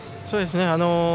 そうですね。